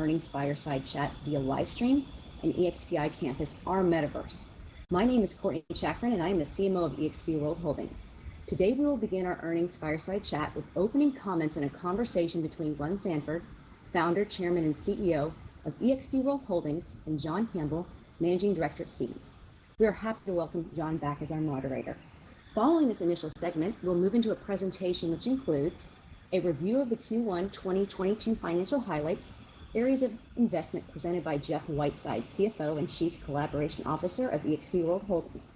Earnings Fireside Chat via live stream in eXp Campus, our metaverse. My name is Courtney Chakarun, and I am the CMO of eXp World Holdings. Today, we will begin our Earnings Fireside Chat with opening comments and a conversation between Glenn Sanford, Founder, Chairman, and CEO of eXp World Holdings, and John Campbell, Managing Director at Stephens. We are happy to welcome John back as our moderator. Following this initial segment, we'll move into a presentation which includes a review of the Q1 2022 financial highlights, areas of investment presented by Jeff Whiteside, CFO and Chief Collaboration Officer of eXp World Holdings,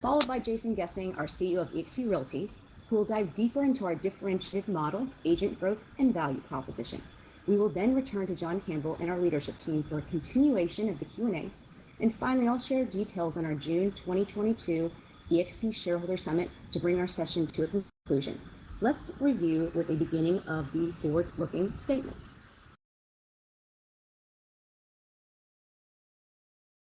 followed by Jason Gesing, our CEO of eXp Realty, who will dive deeper into our differentiated model, agent growth, and value proposition. We will then return to John Campbell and our leadership team for a continuation of the Q&A. Finally, I'll share details on our June 2022 eXp Shareholder Summit to bring our session to a conclusion. Let's review with the beginning of the forward-looking statements.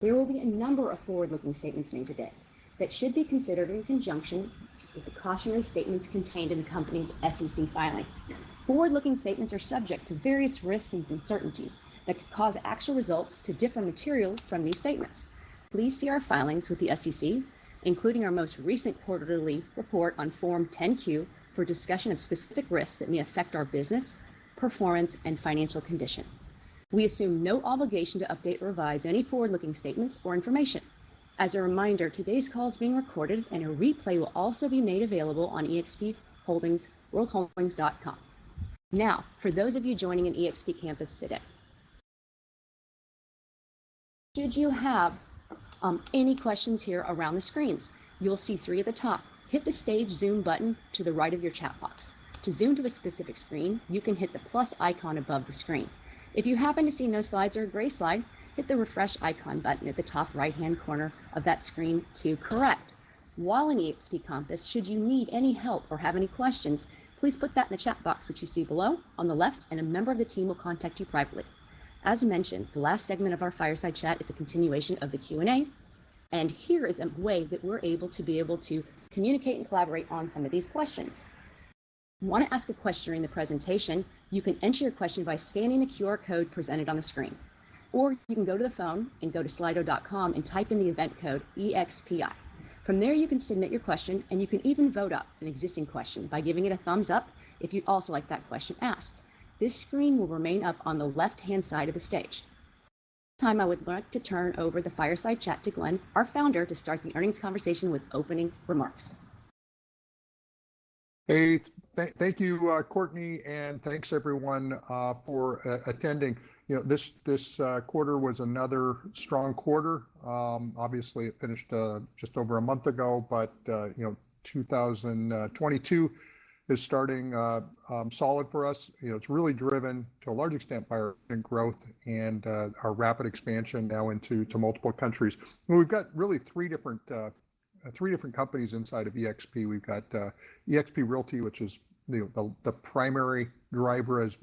There will be a number of forward-looking statements made today that should be considered in conjunction with the cautionary statements contained in the company's SEC filings. Forward-looking statements are subject to various risks and uncertainties that could cause actual results to differ materially from these statements. Please see our filings with the SEC, including our most recent quarterly report on Form 10-Q, for a discussion of specific risks that may affect our business, performance, and financial condition. We assume no obligation to update or revise any forward-looking statements or information. As a reminder, today's call is being recorded and a replay will also be made available on expworldholdings.com. Now, for those of you joining in eXp Campus today. Should you have any questions here around the screens, you'll see three at the top. Hit the Stage Zoom button to the right of your chat box. To zoom to a specific screen, you can hit the plus icon above the screen. If you happen to see no slides or a gray slide, hit the refresh icon button at the top right-hand corner of that screen to correct. While in eXp Campus, should you need any help or have any questions, please put that in the chat box which you see below on the left, and a member of the team will contact you privately. As mentioned, the last segment of our Fireside Chat is a continuation of the Q&A, and here is a way that we're able to communicate and collaborate on some of these questions. If you want to ask a question during the presentation, you can enter your question by scanning the QR code presented on the screen. You can go to the phone and go to Slido.com and type in the event code EXPI. From there, you can submit your question, and you can even vote up an existing question by giving it a thumbs up if you'd also like that question asked. This screen will remain up on the left-hand side of the stage. At this time, I would like to turn over the Fireside Chat to Glenn, our founder, to start the earnings conversation with opening remarks. Hey, thank you, Courtney, and thanks everyone for attending. You know, this quarter was another strong quarter. Obviously it finished just over a month ago, but you know, 2022 is starting solid for us. You know, it's really driven to a large extent by our growth and our rapid expansion now into multiple countries. We've got really three different companies inside of eXp. We've got eXp Realty, which is the primary driver as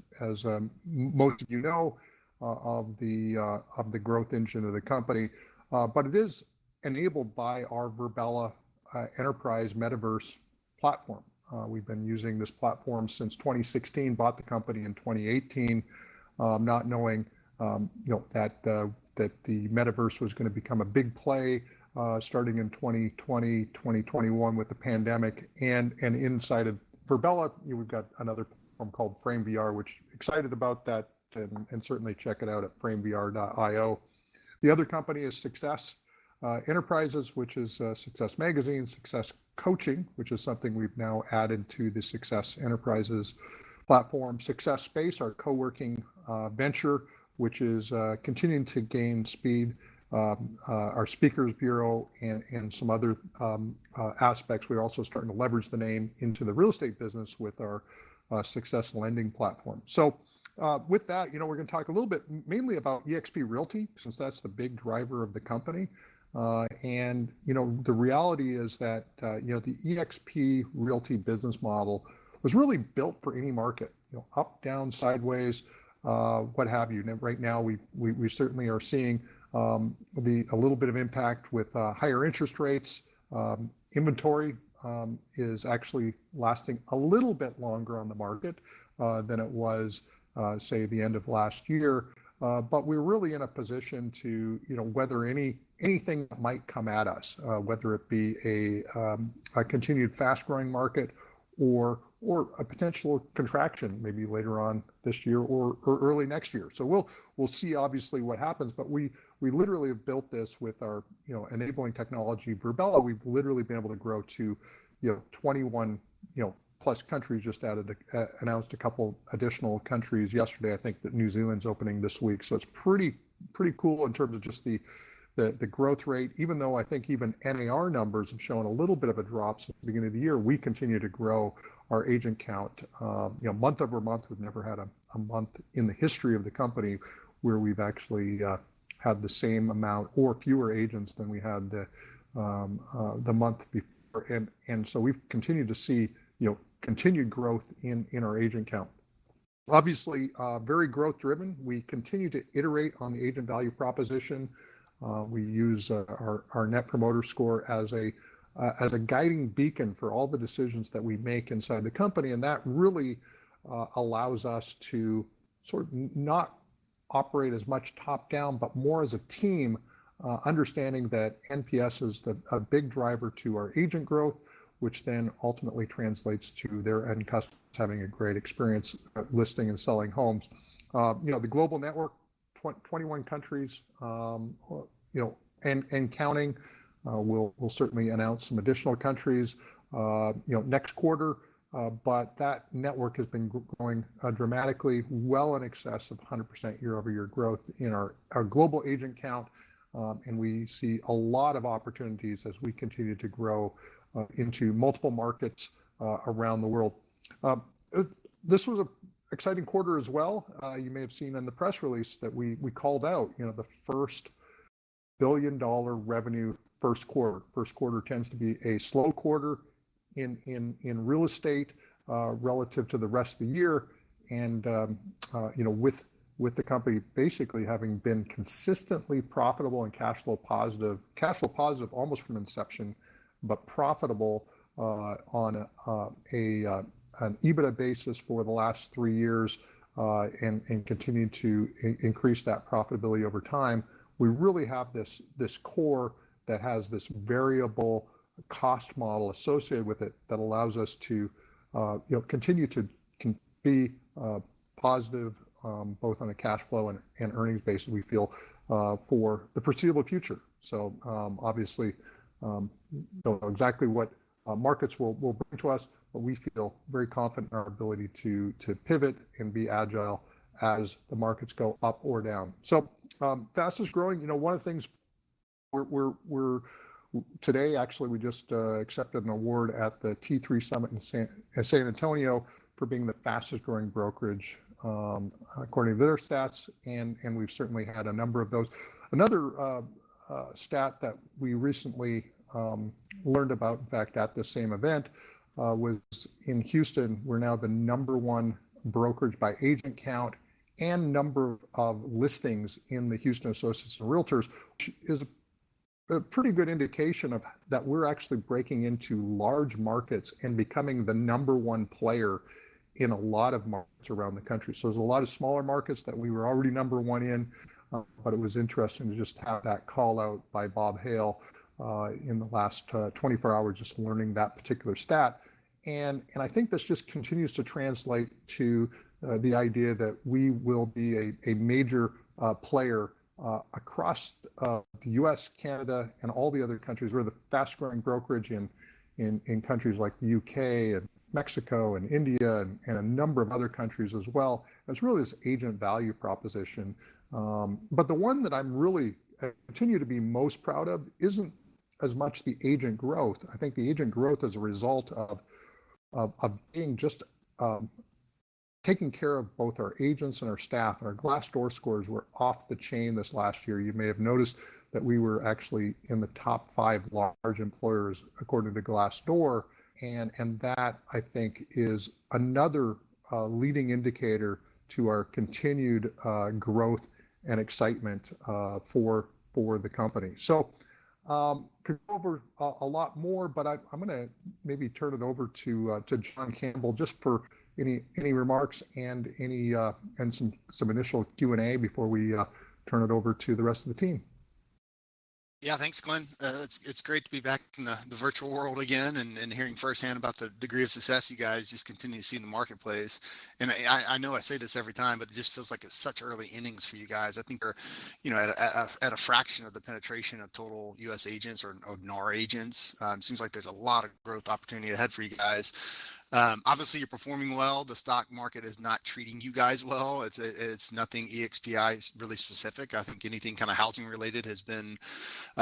most of you know of the growth engine of the company. But it is enabled by our Virbela Enterprise Metaverse platform. We've been using this platform since 2016, bought the company in 2018, not knowing that the metaverse was gonna become a big play, starting in 2020, 2021 with the pandemic. Inside of Virbela, we've got another platform called FrameVR, which excited about that and certainly check it out at FrameVR.io. The other company is SUCCESS Enterprises, which is SUCCESS Magazine, SUCCESS Coaching, which is something we've now added to the SUCCESS Enterprises platform, SUCCESS Space, our co-working venture, which is continuing to gain speed, our speakers bureau and some other aspects. We're also starting to leverage the name into the real estate business with our SUCCESS Lending platform. With that, you know, we're gonna talk a little bit mainly about eXp Realty since that's the big driver of the company. You know, the reality is that, you know, the eXp Realty business model was really built for any market, you know, up, down, sideways, what have you. Right now, we certainly are seeing a little bit of impact with higher interest rates. Inventory is actually lasting a little bit longer on the market than it was, say, the end of last year. We're really in a position to, you know, weather anything that might come at us, whether it be a continued fast-growing market or a potential contraction maybe later on this year or early next year. We'll see obviously what happens, but we literally have built this with our, you know, enabling technology, Virbela. We've literally been able to grow to, you know, 21, you know, plus countries. Just announced a couple additional countries yesterday. I think that New Zealand's opening this week. It's pretty cool in terms of just the growth rate. Even though I think even NAR numbers have shown a little bit of a drop since the beginning of the year, we continue to grow our agent count, you know, month-over-month. We've never had a month in the history of the company where we've actually had the same amount or fewer agents than we had the month before. We've continued to see, you know, continued growth in our agent count. Obviously, very growth driven. We continue to iterate on the agent value proposition. We use our Net Promoter Score as a guiding beacon for all the decisions that we make inside the company, and that really allows us to sort of not operate as much top-down, but more as a team, understanding that NPS is a big driver to our agent growth, which then ultimately translates to their end customers having a great experience at listing and selling homes. You know, the global network, 21 countries, you know, and counting. We'll certainly announce some additional countries, you know, next quarter. That network has been growing dramatically well in excess of 100% year-over-year growth in our global agent count. We see a lot of opportunities as we continue to grow into multiple markets around the world. This was an exciting quarter as well. You may have seen in the press release that we called out, you know, the first billion-dollar revenue first quarter. First quarter tends to be a slow quarter in real estate relative to the rest of the year. You know, with the company basically having been consistently profitable and cash flow positive almost from inception, but profitable on an EBITDA basis for the last three years and continued to increase that profitability over time, we really have this core that has this variable cost model associated with it that allows us to, you know, continue to be positive both on a cash flow and earnings basis, we feel for the foreseeable future. Obviously, don't know exactly what markets will bring to us, but we feel very confident in our ability to pivot and be agile as the markets go up or down. Fastest-growing, you know, one of the things we're... Today, actually, we just accepted an award at the T3 Summit in San Antonio for being the fastest-growing brokerage according to their stats, and we've certainly had a number of those. Another stat that we recently learned about, in fact, at the same event, was in Houston, we're now the number one brokerage by agent count and number of listings in the Houston Association of Realtors, which is a pretty good indication of that we're actually breaking into large markets and becoming the number one player in a lot of markets around the country. There's a lot of smaller markets that we were already number one in, but it was interesting to just have that call-out by Bob Hale in the last 24 hours, just learning that particular stat. I think this just continues to translate to the idea that we will be a major player across the U.S., Canada, and all the other countries. We're the fastest-growing brokerage in countries like the U.K. and Mexico and India and a number of other countries as well. It's really this agent value proposition. But the one that I'm really continue to be most proud of isn't as much the agent growth. I think the agent growth is a result of being just taking care of both our agents and our staff. Our Glassdoor scores were off the chain this last year. You may have noticed that we were actually in the top five large employers according to Glassdoor. That, I think, is another leading indicator to our continued growth and excitement for the company. Could go over a lot more, but I'm gonna maybe turn it over to John Campbell just for any remarks and any and some initial Q&A before we turn it over to the rest of the team. Yeah. Thanks, Glenn. It's great to be back in the virtual world again and hearing firsthand about the degree of success you guys just continue to see in the marketplace. I know I say this every time, but it just feels like it's such early innings for you guys. I think you're, you know, at a fraction of the penetration of total U.S. agents or of NAR agents. Seems like there's a lot of growth opportunity ahead for you guys. Obviously, you're performing well. The stock market is not treating you guys well. It's nothing EXPI specific. I think anything kind of housing related has been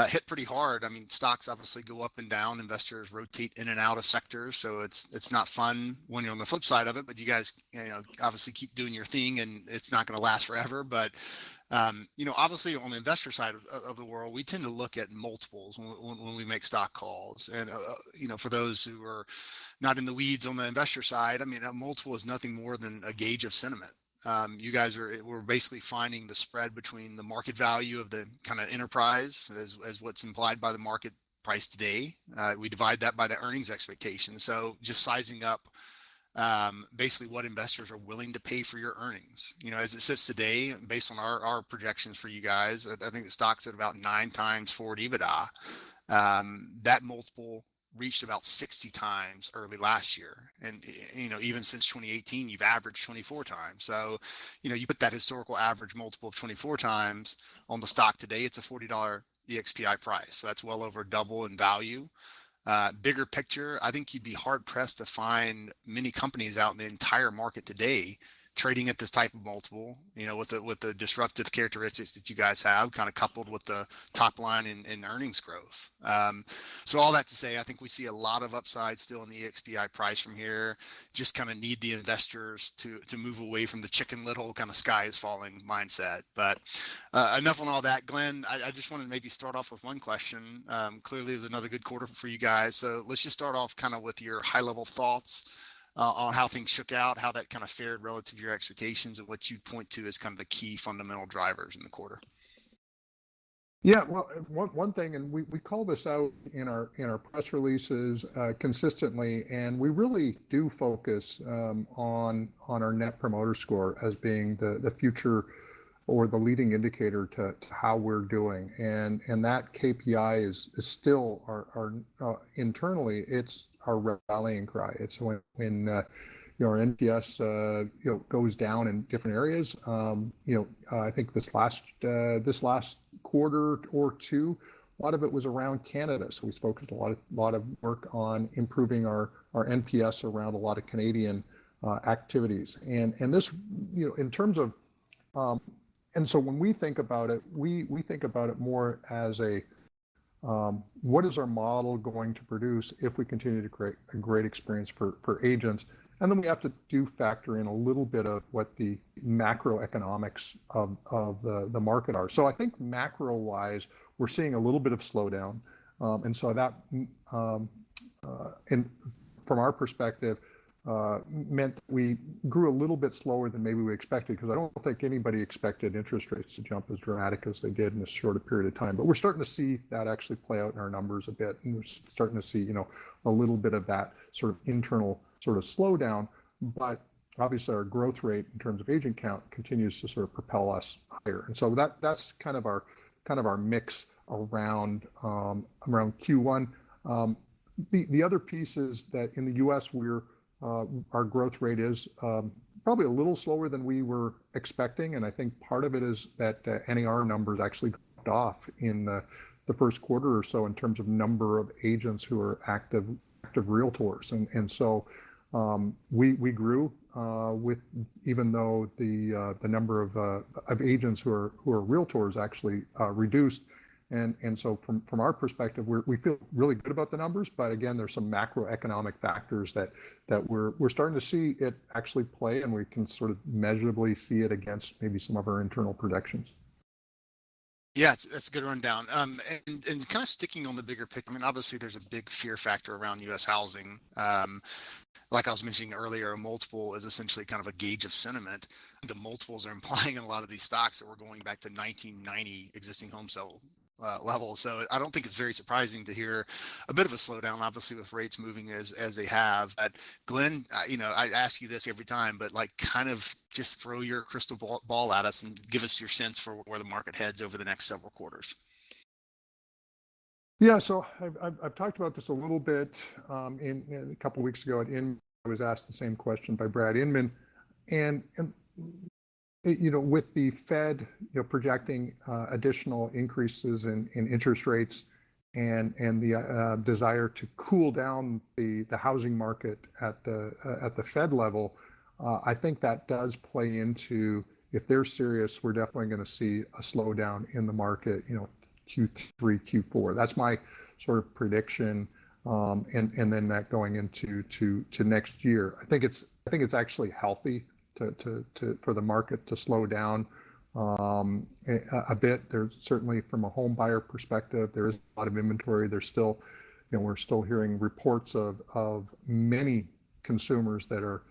hit pretty hard. I mean, stocks obviously go up and down. Investors rotate in and out of sectors, so it's not fun when you're on the flip side of it. You guys, you know, obviously keep doing your thing, and it's not gonna last forever. You know, obviously, on the investor side of the world, we tend to look at multiples when we make stock calls. You know, for those who are not in the weeds on the investor side, I mean, a multiple is nothing more than a gauge of sentiment. You guys are... we're basically finding the spread between the market value of the kind of enterprise as what's implied by the market price today. We divide that by the earnings expectation. Just sizing up basically what investors are willing to pay for your earnings. You know, as it sits today, based on our projections for you guys, I think the stock's at about 9x forward EBITDA. That multiple reached about 60x early last year. You know, even since 2018, you've averaged 24x. You know, you put that historical average multiple of 24x on the stock today, it's a $40 EXPI price. That's well over double in value. Bigger picture, I think you'd be hard-pressed to find many companies out in the entire market today trading at this type of multiple, you know, with the disruptive characteristics that you guys have, kind of coupled with the top line in earnings growth. So all that to say, I think we see a lot of upside still in the EXPI price from here. Just kind of need the investors to move away from the Chicken Little kind of sky is falling mindset. Enough on all that. Glenn, I just want to maybe start off with one question. Clearly, it's another good quarter for you guys, so let's just start off kind of with your high-level thoughts on how things shook out, how that kind of fared relative to your expectations, and what you'd point to as kind of the key fundamental drivers in the quarter. Yeah. Well, one thing and we call this out in our press releases consistently, and we really do focus on our Net Promoter Score as being the future or the leading indicator to how we're doing. That KPI is still our rallying cry internally. It's when you know our NPS you know goes down in different areas, you know I think this last quarter or two, a lot of it was around Canada. We focused a lot of work on improving our NPS around a lot of Canadian activities. This you know in terms of When we think about it, we think about it more as a what is our model going to produce if we continue to create a great experience for agents? We have to factor in a little bit of what the macroeconomics of the market are. I think macro-wise, we're seeing a little bit of slowdown. From our perspective, that meant we grew a little bit slower than maybe we expected, 'cause I don't think anybody expected interest rates to jump as dramatic as they did in a short period of time. We're starting to see that actually play out in our numbers a bit, and we're starting to see, you know, a little bit of that sort of internal slowdown. Obviously our growth rate in terms of agent count continues to sort of propel us higher. That's kind of our mix around Q1. The other piece is that in the U.S. our growth rate is probably a little slower than we were expecting, and I think part of it is that NAR numbers actually dropped off in the first quarter or so in terms of number of agents who are active Realtors. We grew even though the number of agents who are Realtors actually reduced. From our perspective, we feel really good about the numbers, but again, there's some macroeconomic factors that we're starting to see it actually play and we can sort of measurably see it against maybe some of our internal projections. Yeah. That's a good rundown. Kind of sticking on the bigger picture. I mean, obviously there's a big fear factor around U.S. housing. Like I was mentioning earlier, multiples are essentially a gauge of sentiment. The multiples are implying a lot of these stocks that were going back to 1990 existing home sales levels. I don't think it's very surprising to hear a bit of a slowdown, obviously with rates moving as they have. Glenn, you know, I ask you this every time, but like, kind of just throw your crystal ball at us and give us your sense for where the market heads over the next several quarters. Yeah. I've talked about this a little bit in you know a couple weeks ago at Inman. I was asked the same question by Brad Inman. You know with the Fed you know projecting additional increases in interest rates and the desire to cool down the housing market at the Fed level I think that does play into if they're serious we're definitely gonna see a slowdown in the market you know Q3 Q4. That's my sort of prediction. That going into next year. I think it's actually healthy for the market to slow down a bit. There's certainly from a home buyer perspective a lot of inventory. There's still, you know, we're still hearing reports of many consumers that are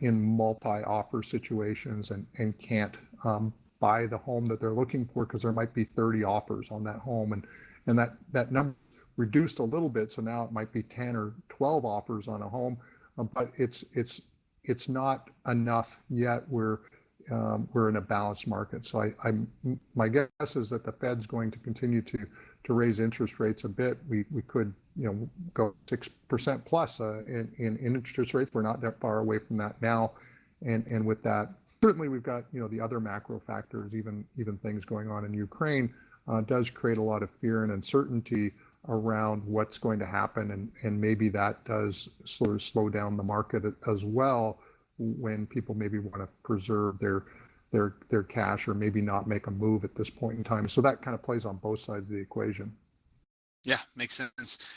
in multi-offer situations and can't buy the home that they're looking for 'cause there might be 30 offers on that home. That number reduced a little bit, so now it might be 10 or 12 offers on a home. But it's not enough yet. We're in a balanced market. My guess is that the Fed's going to continue to raise interest rates a bit. We could, you know, go 6% plus in interest rates. We're not that far away from that now. With that, certainly we've got, you know, the other macro factors, even things going on in Ukraine does create a lot of fear and uncertainty around what's going to happen and maybe that does sort of slow down the market as well when people maybe wanna preserve their cash or maybe not make a move at this point in time. That kind of plays on both sides of the equation. Yeah. Makes sense.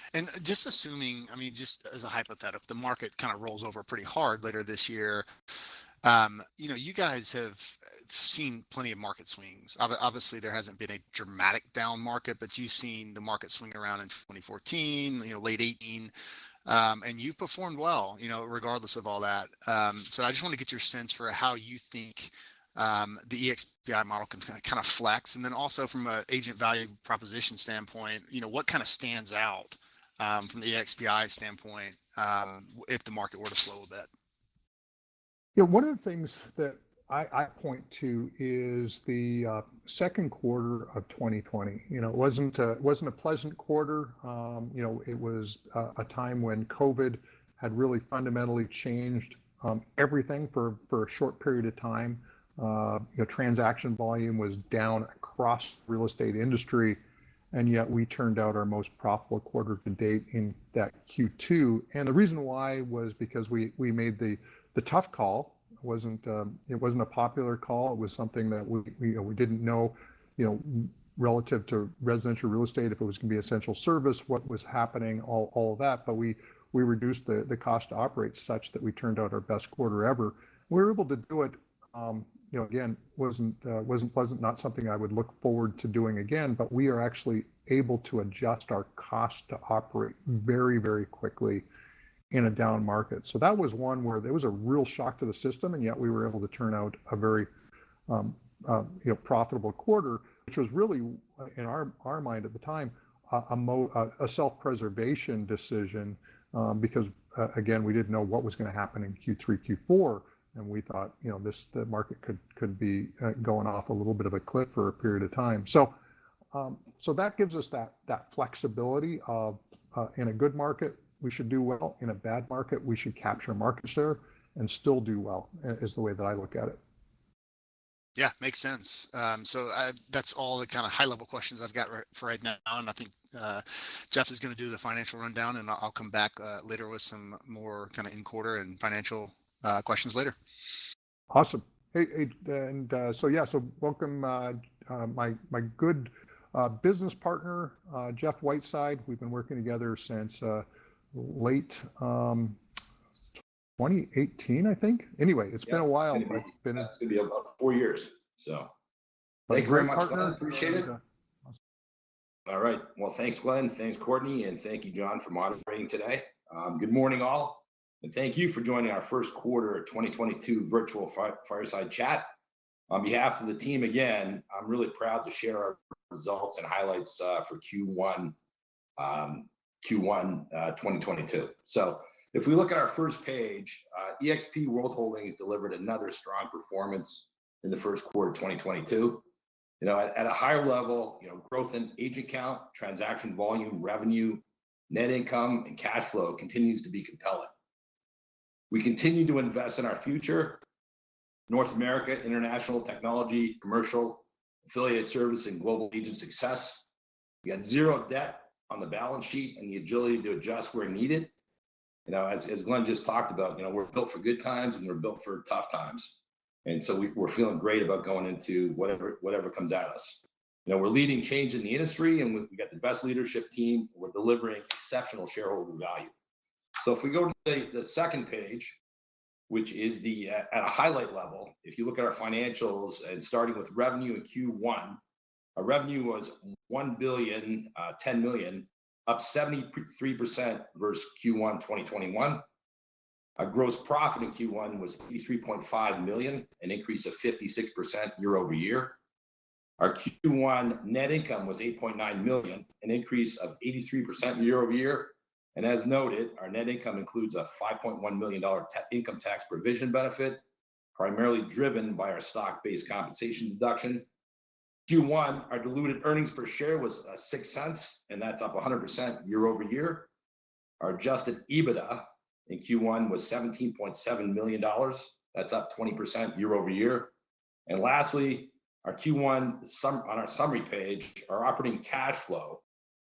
Just assuming, I mean, just as a hypothetical, the market kind of rolls over pretty hard later this year. You know, you guys have seen plenty of market swings. Obviously there hasn't been a dramatic down market, but you've seen the market swing around in 2014, you know, late 2018. You've performed well, you know, regardless of all that. I just wanna get your sense for how you think the eXp i model can kind of flex. Then also from a agent value proposition standpoint, you know, what kind of stands out from the eXp i standpoint if the market were to slow a bit? Yeah. One of the things that I point to is the second quarter of 2020. You know, it wasn't a pleasant quarter. You know, it was a time when COVID had really fundamentally changed everything for a short period of time. You know, transaction volume was down across real estate industry, and yet we turned out our most profitable quarter to date in that Q2. The reason why was because we made the tough call. It wasn't a popular call. It was something that we you know we didn't know you know relative to residential real estate, if it was gonna be essential service, what was happening, all of that. We reduced the cost to operate such that we turned out our best quarter ever. We were able to do it, you know, again, wasn't pleasant, not something I would look forward to doing again, but we are actually able to adjust our cost to operate very, very quickly in a down market. That was one where there was a real shock to the system, and yet we were able to turn out a very profitable quarter, which was really, in our mind at the time, a self-preservation decision, because, again, we didn't know what was gonna happen in Q3, Q4, and we thought, you know, this the market could be going off a little bit of a cliff for a period of time. That gives us that flexibility of, in a good market, we should do well. In a bad market, we should capture market share and still do well, is the way that I look at it. Yeah, makes sense. That's all the kinda high level questions I've got for right now. I think Jeff is gonna do the financial rundown, and I'll come back later with some more kinda in quarter and financial questions later. Awesome. Hey, welcome, my good business partner, Jeff Whiteside. We've been working together since late 2018, I think. Anyway, it's been a while. Yeah. Anyway, it's gonna be about four years, so. Thank you very much, partner. Appreciate it. All right. Well, thanks Glenn, thanks Courtney, and thank you John for moderating today. Good morning all, and thank you for joining our first quarter of 2022 virtual fireside chat. On behalf of the team, again, I'm really proud to share our results and highlights for Q1 2022. If we look at our first page, eXp World Holdings delivered another strong performance in the first quarter of 2022. You know, at a higher level, you know, growth in agent count, transaction volume, revenue, net income, and cash flow continues to be compelling. We continue to invest in our future, North America, international technology, commercial, affiliate service, and global agent success. We had zero debt on the balance sheet and the agility to adjust where needed. You know, as Glenn just talked about, you know, we're built for good times, and we're built for tough times. We're feeling great about going into whatever comes at us. You know, we're leading change in the industry, and we've got the best leadership team. We're delivering exceptional shareholder value. If we go to the second page, which is at a highlight level, if you look at our financials and starting with revenue in Q1, our revenue was $1.01 billion, up 73% versus Q1 2021. Our gross profit in Q1 was $83.5 million, an increase of 56% year-over-year. Our Q1 net income was $8.9 million, an increase of 83% year-over-year. As noted, our net income includes a $5.1 million income tax provision benefit, primarily driven by our stock-based compensation deduction. Q1, our diluted earnings per share was $0.06, and that's up 100% year-over-year. Our adjusted EBITDA in Q1 was $17.7 million. That's up 20% year-over-year. Lastly, our Q1 summary on our summary page, our operating cash flow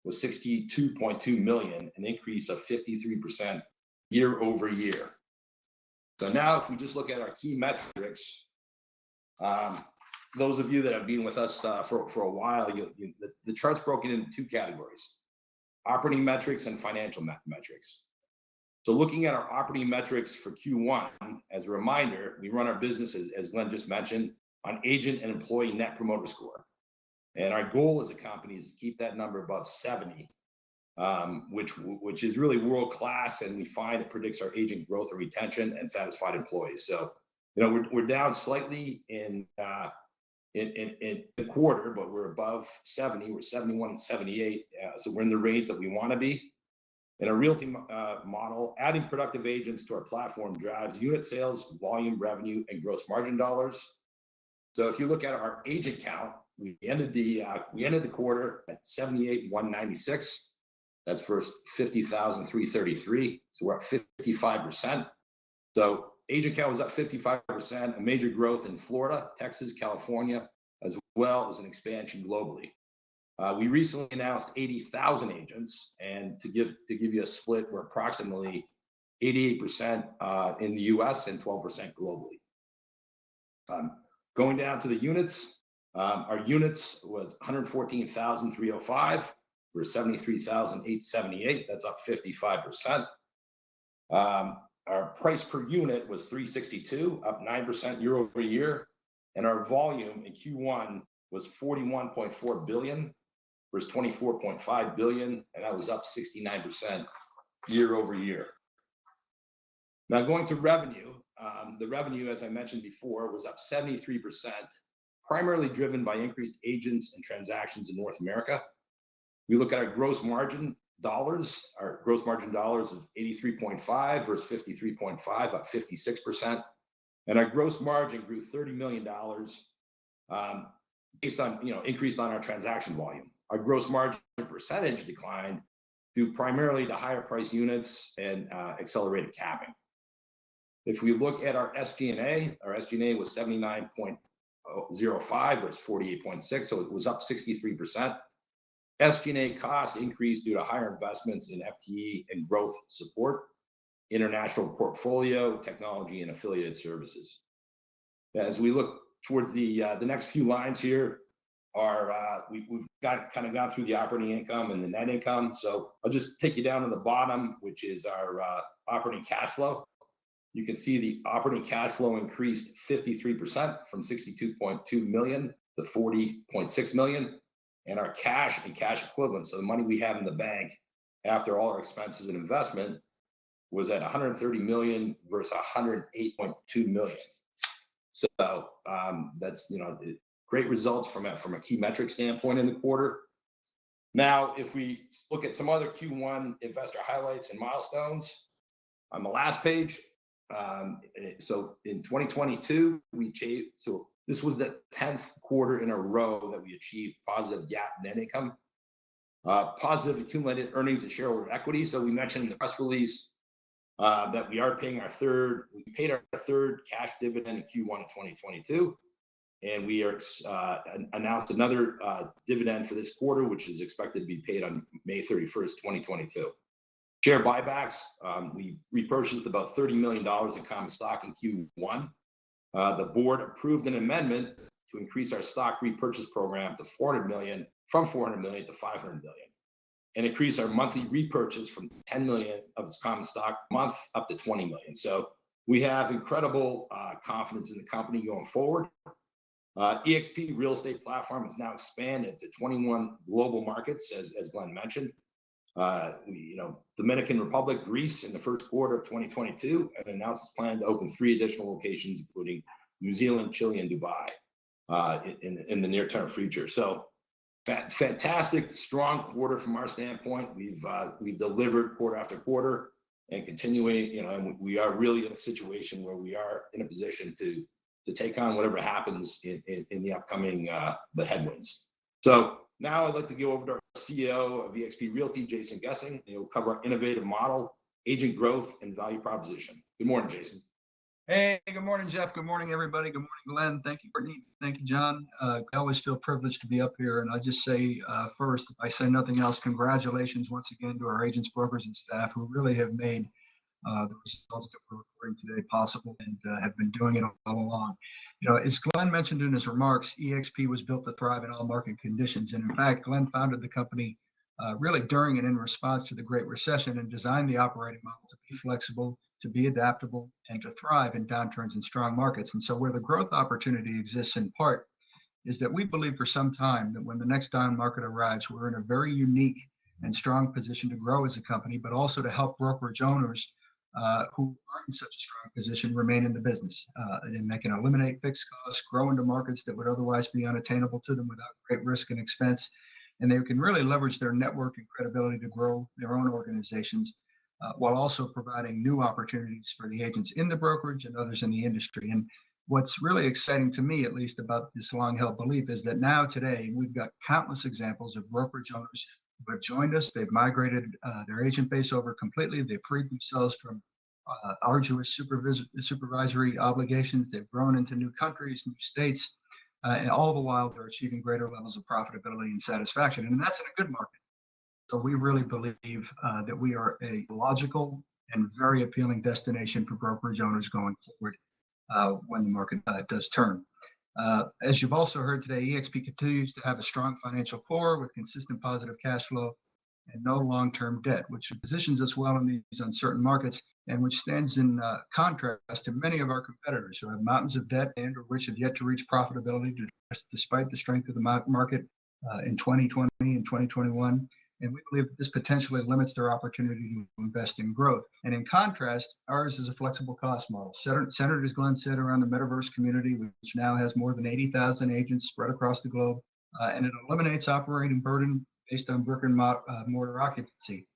was $62.2 million, an increase of 53% year-over-year. Now if we just look at our key metrics, those of you that have been with us for a while, the chart's broken into two categories, operating metrics and financial metrics. Looking at our operating metrics for Q1, as a reminder, we run our business, as Glenn just mentioned, on agent and employee net promoter score. Our goal as a company is to keep that number above 70, which is really world-class, and we find it predicts our agent growth or retention and satisfied employees. You know, we're down slightly in the quarter, but we're above 70. We're at 71, 78. We're in the range that we wanna be. In our realty model, adding productive agents to our platform drives unit sales, volume revenue, and gross margin dollars. If you look at our agent count, we ended the quarter at 78,196. That's versus 50,333. We're at 55%. Agent count was up 55%, a major growth in Florida, Texas, California, as well as an expansion globally. We recently announced 80,000 agents, and to give you a split, we're approximately 88% in the U.S. and 12% globally. Going down to the units, our units was 114,305. We're at 73,878. That's up 55%. Our price per unit was $362, up 9% year-over-year. Our volume in Q1 was $41.4 billion versus $24.5 billion, and that was up 69% year-over-year. Going to revenue, the revenue, as I mentioned before, was up 73%, primarily driven by increased agents and transactions in North America. We look at our gross margin dollars. Our gross margin dollars is $83.5 versus $53.5, up 56%. Our gross margin grew $30 million based on, you know, increase in our transaction volume. Our gross margin percentage declined due primarily to higher-priced units and accelerated capping. If we look at our SG&A, our SG&A was $79.05 versus $48.6. It was up 63%. SG&A costs increased due to higher investments in FTE and growth support, international portfolio, technology, and affiliated services. As we look towards the next few lines here, we've kinda gone through the operating income and the net income. I'll just take you down to the bottom, which is our operating cash flow. You can see the operating cash flow increased 53% from $62.2 million-$40.6 million. Our cash and cash equivalents, so the money we have in the bank after all our expenses and investments was at $130 million versus $108.2 million. That's, you know, great results from a key metric standpoint in the quarter. Now, if we look at some other Q1 investor highlights and milestones on the last page. In 2022, we achieved. This was the 10th quarter in a row that we achieved positive GAAP net income. Positive accumulated earnings and shareholder equity. We mentioned in the press release that we are paying our third... We paid our third cash dividend in Q1 of 2022, and we announced another dividend for this quarter, which is expected to be paid on May 31st, 2022. Share buybacks, we repurchased about $30 million in common stock in Q1. The board approved an amendment to increase our stock repurchase program from $400 million- $500 million, and increase our monthly repurchase from $10 million of its common stock a month up to $20 million. We have incredible confidence in the company going forward. eXp Realty platform has now expanded to 21 global markets, as Glenn mentioned. You know, Dominican Republic, Greece in the first quarter of 2022, and announced its plan to open three additional locations, including New Zealand, Chile, and Dubai, in the near-term future. Fantastic, strong quarter from our standpoint. We've delivered quarter after quarter and continuing. You know, we are really in a situation where we are in a position to take on whatever happens in the upcoming the headwinds. Now I'd like to go over to our CEO of eXp Realty, Jason Gesing, and he'll cover our innovative model, agent growth, and value proposition. Good morning, Jason. Hey, good morning, Jeff. Good morning, everybody. Good morning, Glenn. Thank you, Courtney. Thank you, John. I always feel privileged to be up here. I'll just say, first, if I say nothing else, congratulations once again to our agents, brokers, and staff who really have made the results that we're recording today possible and have been doing it all along. You know, as Glenn mentioned in his remarks, eXp was built to thrive in all market conditions. In fact, Glenn founded the company, really during and in response to the Great Recession and designed the operating model to be flexible, to be adaptable, and to thrive in downturns and strong markets. Where the growth opportunity exists in part is that we believe for some time that when the next down market arrives, we're in a very unique and strong position to grow as a company, but also to help brokerage owners who aren't in such a strong position remain in the business. They can eliminate fixed costs, grow into markets that would otherwise be unattainable to them without great risk and expense. They can really leverage their network and credibility to grow their own organizations while also providing new opportunities for the agents in the brokerage and others in the industry. What's really exciting to me at least about this long-held belief is that now today, we've got countless examples of brokerage owners who have joined us. They've migrated their agent base over completely. They've freed themselves from arduous supervisory obligations. They've grown into new countries, new states. All the while, they're achieving greater levels of profitability and satisfaction. That's in a good market. We really believe that we are a logical and very appealing destination for brokerage owners going forward, when the market does turn. As you've also heard today, eXp continues to have a strong financial core with consistent positive cash flow and no long-term debt, which positions us well in these uncertain markets and which stands in contrast to many of our competitors who have mountains of debt and/or which have yet to reach profitability despite the strength of the market in 2020 and 2021. We believe this potentially limits their opportunity to invest in growth. In contrast, ours is a flexible cost model, centered, as Glenn said, around the metaverse community, which now has more than 80,000 agents spread across the globe. It eliminates operating burden based on brick-and-mortar occupancy.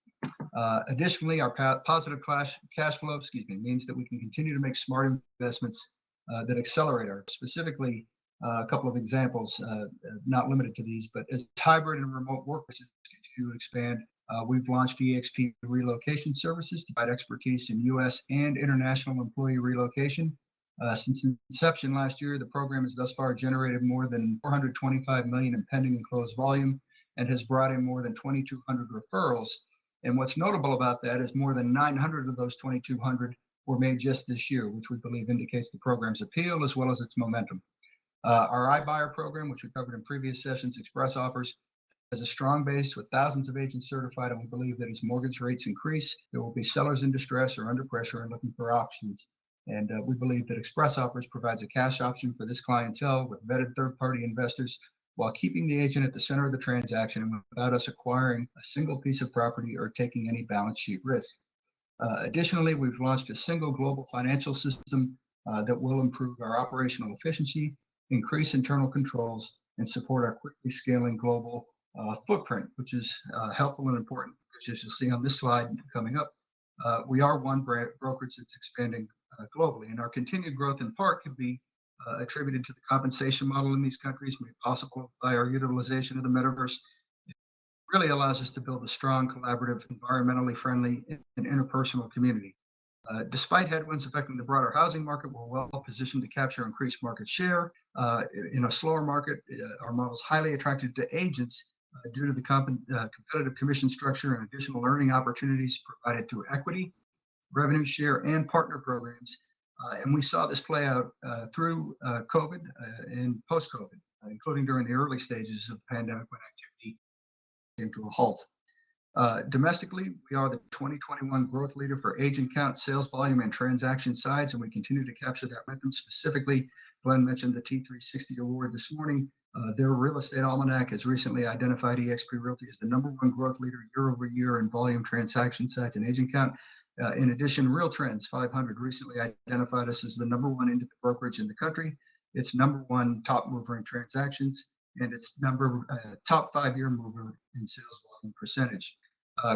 Additionally, our positive cash flow means that we can continue to make smart investments that accelerate our growth. Specifically, a couple of examples, not limited to these. As hybrid and remote work continues to expand, we've launched eXp Relocation to provide expertise in U.S. and international employee relocation. Since inception last year, the program has thus far generated more than $425 million in pending and closed volume and has brought in more than 2,200 referrals. What's notable about that is more than 900 of those 2,200 were made just this year, which we believe indicates the program's appeal as well as its momentum. Our iBuyer program, which we've covered in previous sessions, ExpressOffers, has a strong base with thousands of agents certified. We believe that as mortgage rates increase, there will be sellers in distress or under pressure and looking for options. We believe that ExpressOffers provides a cash option for this clientele with vetted third-party investors while keeping the agent at the center of the transaction without us acquiring a single piece of property or taking any balance sheet risk. Additionally, we've launched a single global financial system that will improve our operational efficiency, increase internal controls, and support our quickly scaling global footprint, which is helpful and important, which, as you'll see on this slide coming up, we are one brokerage that's expanding globally. Our continued growth in part can be attributed to the compensation model in these countries, made possible by our utilization of the metaverse. It really allows us to build a strong, collaborative, environmentally friendly, and interpersonal community. Despite headwinds affecting the broader housing market, we're well positioned to capture increased market share. In a slower market, our model is highly attractive to agents due to the competitive commission structure and additional earning opportunities provided through equity, revenue share, and partner programs. We saw this play out through COVID and post-COVID, including during the early stages of the pandemic when activity came to a halt. Domestically, we are the 2021 growth leader for agent count, sales volume, and transaction sides, and we continue to capture that momentum. Specifically, Glenn mentioned the T3 Sixty award this morning. Their real estate almanac has recently identified eXp Realty as the number one growth leader year-over-year in volume, transaction sides and agent count. In addition, RealTrends 500 recently identified us as the number one independent brokerage in the country. It's number one top mover in transactions, and it's number one top five-year mover in sales volume percentage.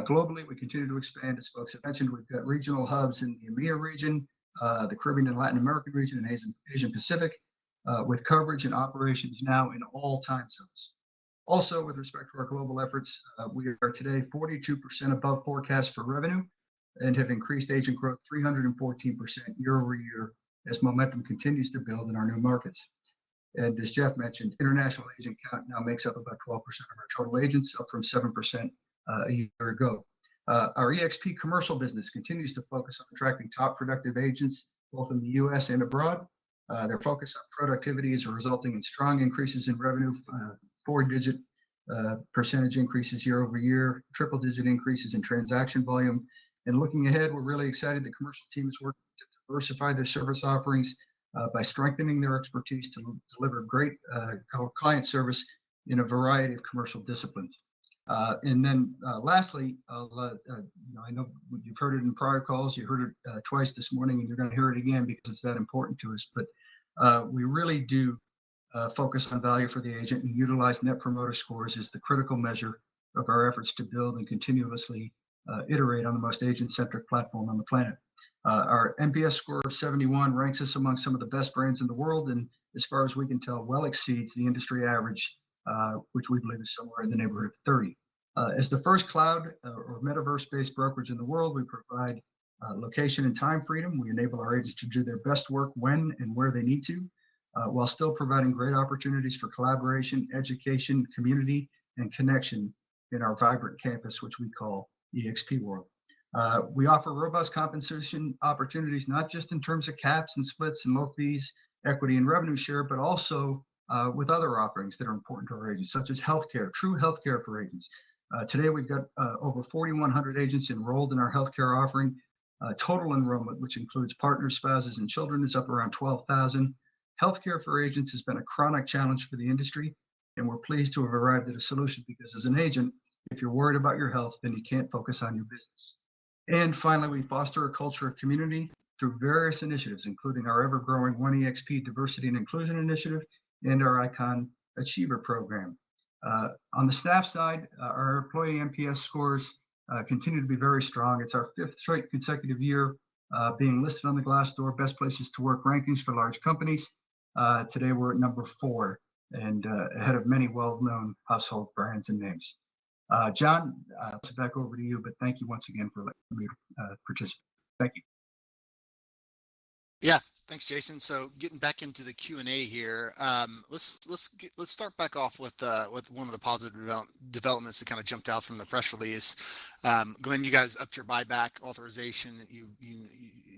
Globally, we continue to expand. As folks have mentioned, we've got regional hubs in the EMEIA region, the Caribbean and Latin American region, and Asian Pacific, with coverage and operations now in all time zones. Also, with respect to our global efforts, we are today 42% above forecast for revenue and have increased agent growth 314% year-over-year as momentum continues to build in our new markets. As Jeff mentioned, international agent count now makes up about 12% of our total agents, up from 7%, a year ago. Our eXp Commercial business continues to focus on attracting top productive agents both in the U.S. and abroad. Their focus on productivity is resulting in strong increases in revenue, four-digit percentage increases year-over-year, triple-digit increases in transaction volume. Looking ahead, we're really excited the commercial team is working to diversify their service offerings by strengthening their expertise to deliver great client service in a variety of commercial disciplines. Then, lastly, you know, I know you've heard it in prior calls, you heard it twice this morning, and you're gonna hear it again because it's that important to us, but we really do focus on value for the agent and utilize net promoter scores as the critical measure of our efforts to build and continuously iterate on the most agent-centric platform on the planet. Our NPS score of 71 ranks us among some of the best brands in the world, and as far as we can tell, well exceeds the industry average, which we believe is somewhere in the neighborhood of 30. As the first cloud or metaverse-based brokerage in the world, we provide location and time freedom. We enable our agents to do their best work when and where they need to, while still providing great opportunities for collaboration, education, community, and connection in our vibrant campus, which we call eXp World. We offer robust compensation opportunities, not just in terms of caps and splits and low fees, equity and revenue share, but also with other offerings that are important to our agents, such as healthcare, true healthcare for agents. Today we've got over 4,100 agents enrolled in our healthcare offering. Total enrollment, which includes partners, spouses, and children, is up around 12,000. Healthcare for agents has been a chronic challenge for the industry, and we're pleased to have arrived at a solution because as an agent, if you're worried about your health, then you can't focus on your business. Finally, we foster a culture of community through various initiatives, including our ever-growing ONE eXp Diversity and Inclusion Initiative and our ICON Agent Program. On the staff side, our employee NPS scores continue to be very strong. It's our fifth straight consecutive year being listed on the Glassdoor Best Places to Work rankings for large companies. Today we're at number four and ahead of many well-known household brands and names. John, let's back over to you, but thank you once again for letting me participate. Thank you. Yeah. Thanks, Jason. Getting back into the Q&A here, let's start back off with one of the positive developments that kind of jumped out from the press release. Glenn, you guys upped your buyback authorization. You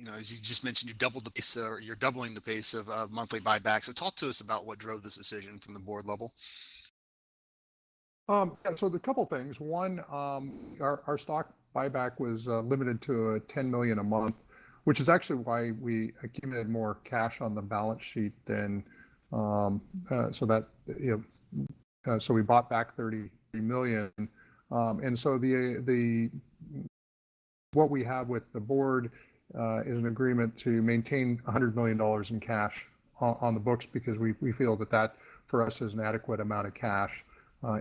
know, as you just mentioned, you doubled the pace or you're doubling the pace of monthly buybacks. Talk to us about what drove this decision from the board level. Yeah. There are a couple of things. One, our stock buyback was limited to $10 million a month, which is actually why we accumulated more cash on the balance sheet, you know, so we bought back $30 million. What we have with the board is an agreement to maintain $100 million in cash on the books because we feel that for us is an adequate amount of cash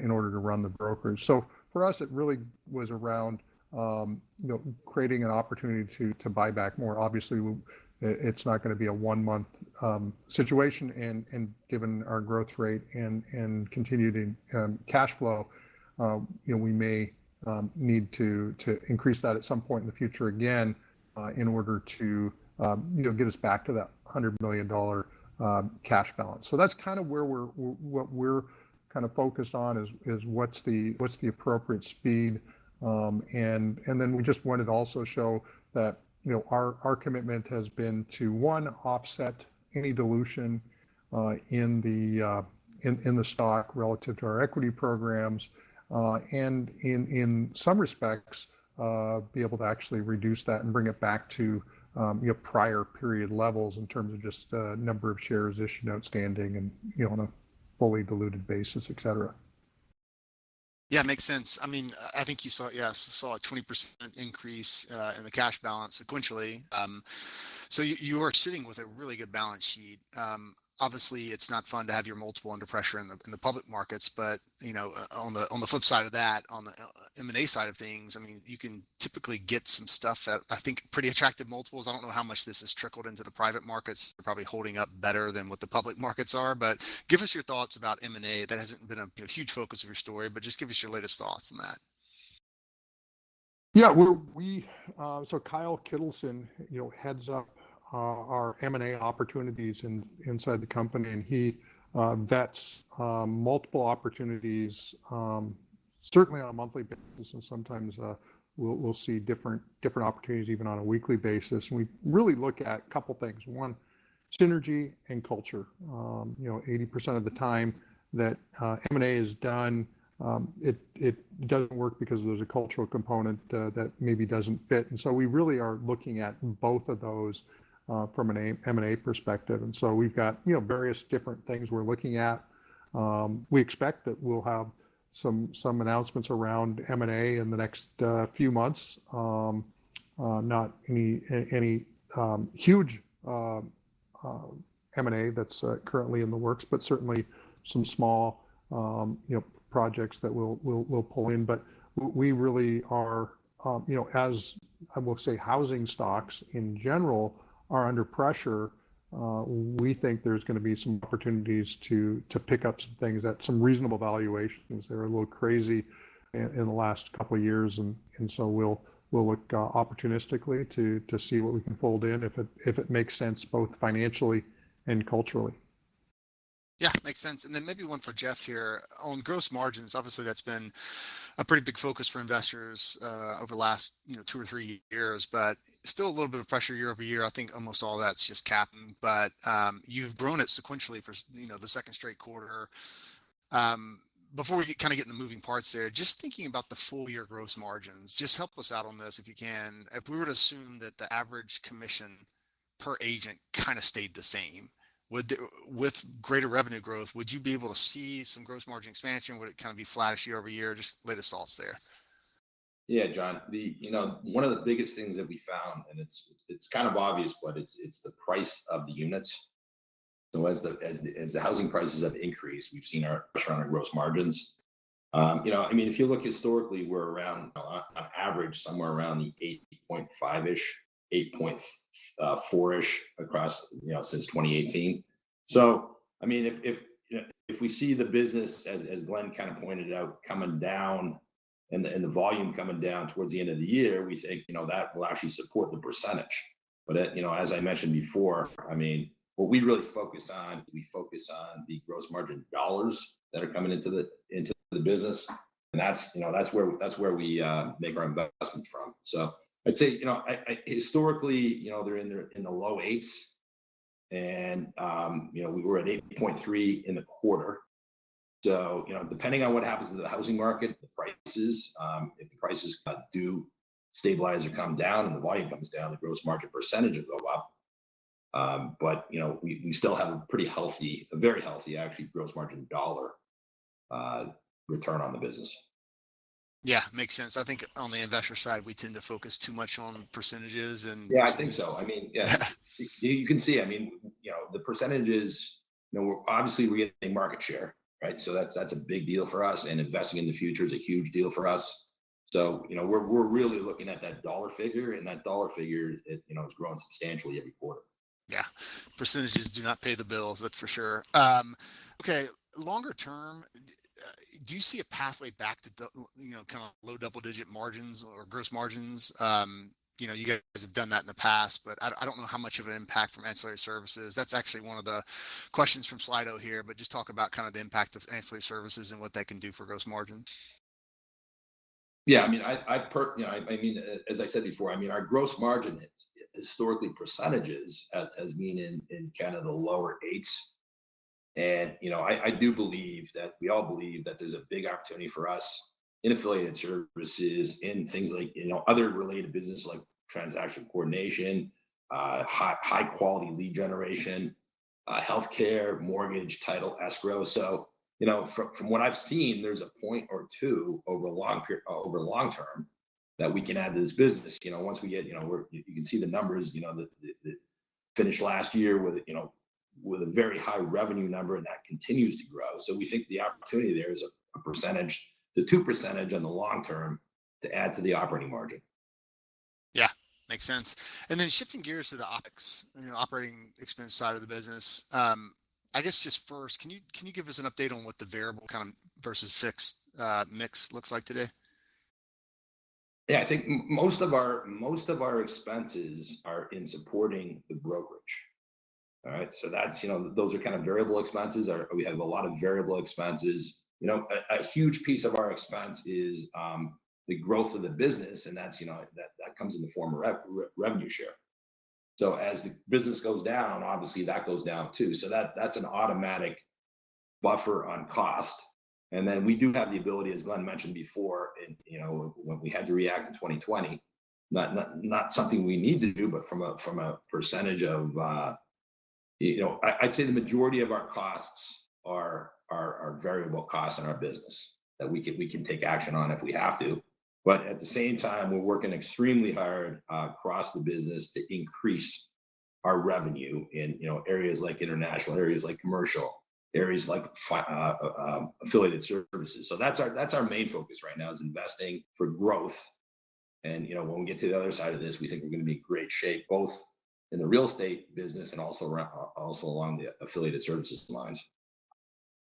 in order to run the brokerage. For us, it really was around, you know, creating an opportunity to buy back more. Obviously, it's not gonna be a one-month situation and given our growth rate and continuing cash flow, you know, we may need to increase that at some point in the future again in order to get us back to that $100 million cash balance. That's kind of where we're what we're kind of focused on is what's the appropriate speed. We just wanted to also show that, you know, our commitment has been to one, offset any dilution in the stock relative to our equity programs, and in some respects, be able to actually reduce that and bring it back to, you know, prior period levels in terms of just the number of shares issued, outstanding and, you know, on a fully diluted basis, et cetera. Yeah, makes sense. I mean, I think you saw a 20% increase in the cash balance sequentially. So you are sitting with a really good balance sheet. Obviously, it's not fun to have your multiple under pressure in the public markets, but you know, on the flip side of that, on the M&A side of things, I mean, you can typically get some stuff at, I think, pretty attractive multiples. I don't know how much this has trickled into the private markets. They're probably holding up better than what the public markets are. Give us your thoughts about M&A. That hasn't been a huge focus of your story, but just give us your latest thoughts on that. So Kyle Kittleson, you know, heads up our M&A opportunities inside the company, and he vets multiple opportunities certainly on a monthly basis, and sometimes we'll see different opportunities even on a weekly basis. We really look at a couple things. One, synergy and culture. You know, 80% of the time that M&A is done, it doesn't work because there's a cultural component that maybe doesn't fit. We really are looking at both of those from an M&A perspective. We've got, you know, various different things we're looking at. We expect that we'll have some announcements around M&A in the next few months. Not any huge M&A that's currently in the works, but certainly some small, you know, projects that we'll pull in. We really are, you know, as I will say, housing stocks in general are under pressure, we think there's gonna be some opportunities to pick up some things at some reasonable valuations. They were a little crazy in the last couple of years and so we'll look opportunistically to see what we can fold in if it makes sense both financially and culturally. Yeah, makes sense. Maybe one for Jeff here. On gross margins, obviously that's been a pretty big focus for investors over the last, you know, two or three years. Still a little bit of pressure year-over-year. I think almost all that's just capped, but you've grown it sequentially, you know, for the second straight quarter. Before we kinda get in the moving parts there, just thinking about the full year gross margins, just help us out on this, if you can. If we were to assume that the average commission per agent kinda stayed the same, would that. With greater revenue growth, would you be able to see some gross margin expansion? Would it kind of be flattish year-over-year? Just lay it out there. Yeah, John. You know, one of the biggest things that we found, and it's kind of obvious, but it's the price of the units. As the housing prices have increased, we've seen our gross margins. You know, I mean, if you look historically, we're around, on average, somewhere around the 8.5%-ish, 8.4%-ish across, you know, since 2018. I mean, if we see the business, as Glenn kind of pointed out, coming down and the volume coming down towards the end of the year, we say, you know, that will actually support the percentage. But as you know, as I mentioned before, I mean, what we really focus on is we focus on the gross margin dollars that are coming into the business. That's, you know, where we make our investments from. I'd say, you know, historically, you know, they're in the low 8% and, you know, we were at 8.3% in the quarter. You know, depending on what happens to the housing market, the prices, if the prices do stabilize or come down and the volume comes down, the gross margin percentage will go up. You know, we still have a pretty healthy, a very healthy actually gross margin dollar return on the business. Yeah, makes sense. I think on the investor side, we tend to focus too much on percentages and Yeah, I think so. I mean, yeah. You can see, I mean, you know, the percentages, you know, obviously we're getting market share, right? That's a big deal for us, and investing in the future is a huge deal for us. You know, we're really looking at that dollar figure, and that dollar figure, it, you know, it's grown substantially every quarter. Yeah. Percentages do not pay the bills, that's for sure. Okay. Longer term, do you see a pathway back to, you know, kind of low double-digit margins or gross margins? You know, you guys have done that in the past, but I don't know how much of an impact from ancillary services. That's actually one of the questions from Slido here, but just talk about kind of the impact of ancillary services and what that can do for gross margins. You know, I mean, as I said before, I mean, our gross margin percentage has historically been in kind of the lower eights. You know, I do believe that we all believe that there's a big opportunity for us in affiliated services, in things like, you know, other related business like transaction coordination, high-quality lead generation, healthcare, mortgage, title, escrow. From what I've seen, there's a point or two over the long term that we can add to this business. You know, once we get, you know, you can see the numbers, you know. We finished last year with a very high revenue number, and that continues to grow. We think the opportunity there is 1%-2% in the long term to add to the operating margin. Yeah. Makes sense. Shifting gears to the OpEx, you know, operating expense side of the business. I guess just first, can you give us an update on what the variable kind of versus fixed mix looks like today? Yeah. I think most of our expenses are in supporting the brokerage. All right? That's those are kind of variable expenses or we have a lot of variable expenses. A huge piece of our expense is the growth of the business, and that comes in the form of revenue share. As the business goes down, obviously that goes down too. That's an automatic buffer on cost. We do have the ability, as Glenn mentioned before, when we had to react in 2020, not something we need to do, but from a percentage of... You know, I'd say the majority of our costs are variable costs in our business that we can take action on if we have to. At the same time, we're working extremely hard across the business to increase our revenue in, you know, areas like international, areas like commercial, areas like affiliated services. That's our main focus right now is investing for growth. You know, when we get to the other side of this, we think we're gonna be in great shape, both in the real estate business and also along the affiliated services lines.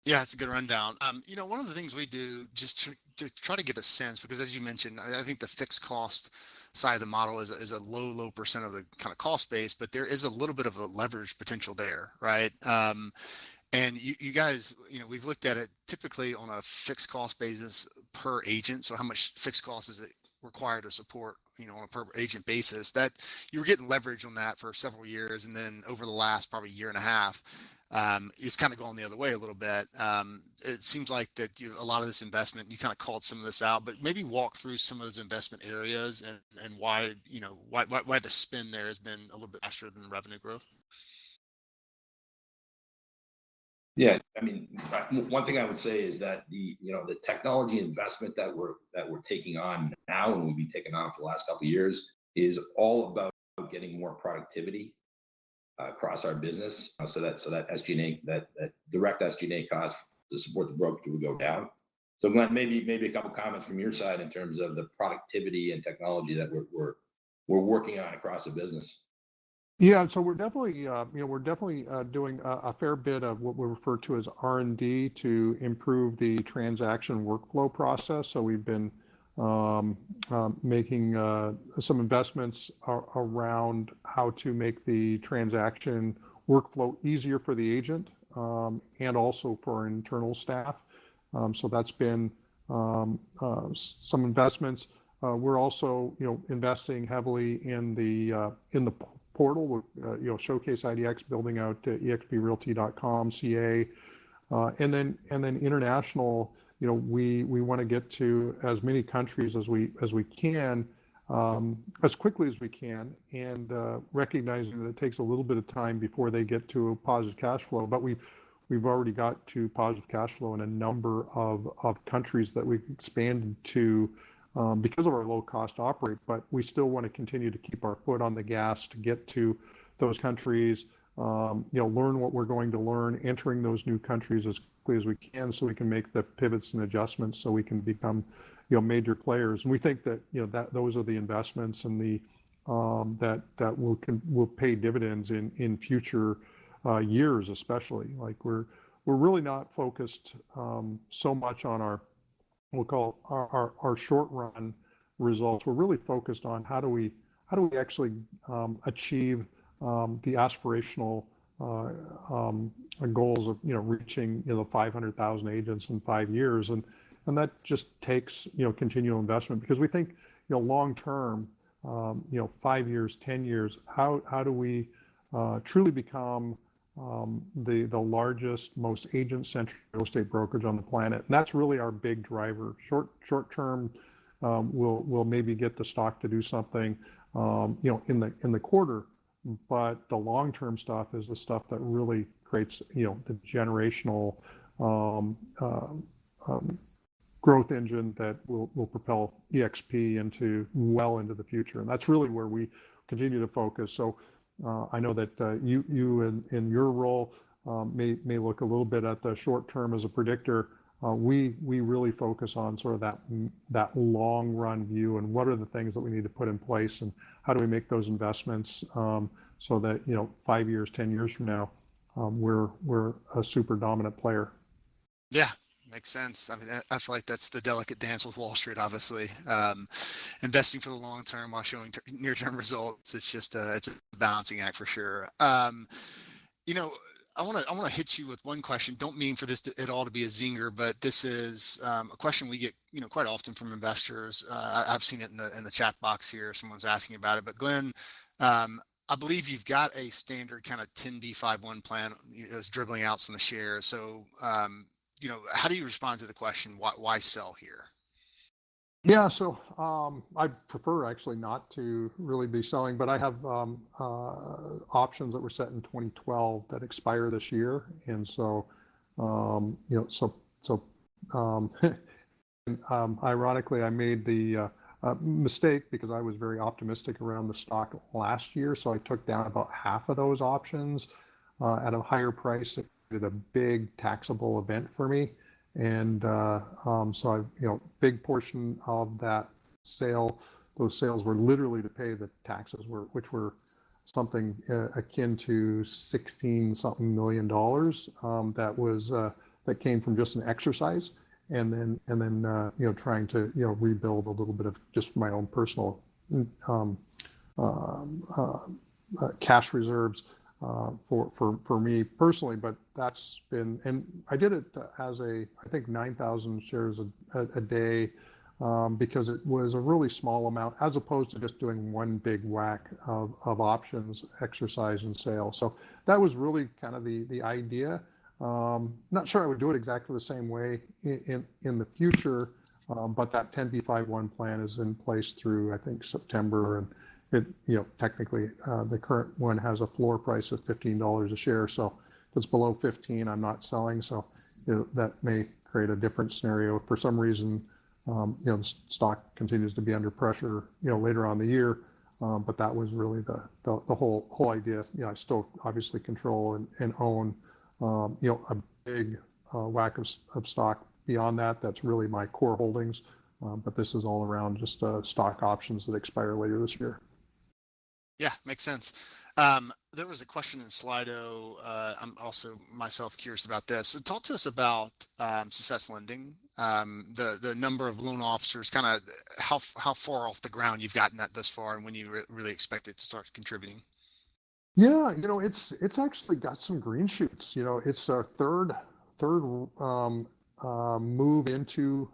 Yeah, it's a good rundown. You know, one of the things we do just to try to get a sense, because as you mentioned, I think the fixed cost side of the model is a low% of the kinda cost base, but there is a little bit of a leverage potential there, right? You guys, you know, we've looked at it typically on a fixed cost basis per agent. How much fixed cost is it required to support, you know, on a per agent basis. That. You were getting leverage on that for several years, and then over the last probably year and a half, it's kinda going the other way a little bit. It seems like that a lot of this investment, you kinda called some of this out, but maybe walk through some of those investment areas and why, you know, why the spin there has been a little bit faster than the revenue growth. Yeah. I mean, one thing I would say is that the, you know, the technology investment that we're taking on now and we've been taking on for the last couple years is all about getting more productivity across our business, so that SG&A, that direct SG&A cost to support the brokerage will go down. Glenn, maybe a couple comments from your side in terms of the productivity and technology that we're working on across the business. We're definitely, you know, doing a fair bit of what we refer to as R&D to improve the transaction workflow process. We've been making some investments around how to make the transaction workflow easier for the agent and also for internal staff. That's been some investments. We're also, you know, investing heavily in the portal with, you know, Showcase IDX building out exprealty.com CA. International, you know, we wanna get to as many countries as we can as quickly as we can, recognizing that it takes a little bit of time before they get to a positive cash flow. We've already got to positive cash flow in a number of countries that we've expanded to because of our low cost to operate. We still wanna continue to keep our foot on the gas to get to those countries, you know, learn what we're going to learn, entering those new countries as quickly as we can so we can make the pivots and adjustments so we can become, you know, major players. We think that, you know, those are the investments and that will pay dividends in future years especially. Like, we're really not focused so much on our, we'll call our short-run results. We're really focused on how do we actually achieve the aspirational goals of you know reaching you know 500,000 agents in five years. That just takes you know continual investment because we think you know long term you know five years 10 years how do we truly become the largest most agent-centric real estate brokerage on the planet? That's really our big driver. Short term we'll maybe get the stock to do something you know in the quarter. The long-term stuff is the stuff that really creates you know the generational growth engine that will propel eXp well into the future. That's really where we continue to focus. I know that you, in your role, may look a little bit at the short term as a predictor. We really focus on sort of that long run view and what are the things that we need to put in place, and how do we make those investments so that, you know, 5 years, 10 years from now, we're a super dominant player. Yeah. Makes sense. I mean, I feel like that's the delicate dance with Wall Street, obviously. Investing for the long term while showing near-term results, it's just a balancing act for sure. You know, I wanna hit you with one question. Don't mean for this to at all to be a zinger, but this is a question we get, you know, quite often from investors. I've seen it in the chat box here, someone's asking about it. Glenn, I believe you've got a standard kinda 10b5-1 plan, you know, just dribbling out some of the shares. You know, how do you respond to the question, why sell here? Yeah. I'd prefer actually not to really be selling, but I have options that were set in 2012 that expire this year. Ironically, I made the mistake because I was very optimistic around the stock last year, so I took down about half of those options at a higher price. It was a big taxable event for me. You know, big portion of that sale, those sales were literally to pay the taxes, which were something akin to $16 something million that came from just an exercise. You know, trying to rebuild a little bit of just my own personal cash reserves for me personally. That's been. I did it as a, I think, 9,000 shares a day, because it was a really small amount as opposed to just doing one big whack of options, exercise and sale. That was really kind of the idea. Not sure I would do it exactly the same way in the future, but that 10b5-1 plan is in place through, I think, September and it, you know, technically, the current one has a floor price of $15 a share. If it's below 15, I'm not selling, so, you know, that may create a different scenario if for some reason, you know, the stock continues to be under pressure, you know, later on the year. But that was really the whole idea. You know, I still obviously control and own, you know, a big whack of stock beyond that. That's really my core holdings. This is all around just stock options that expire later this year. Yeah, makes sense. There was a question in Slido. I'm also myself curious about this. Talk to us about SUCCESS Lending, the number of loan officers, kinda how far off the ground you've gotten that thus far, and when you really expect it to start contributing. Yeah. You know, it's actually got some green shoots. You know, it's our third move into